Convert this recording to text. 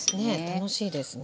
楽しいですね。